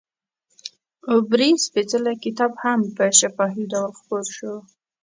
عبري سپېڅلی کتاب هم په شفاهي ډول خپور شو.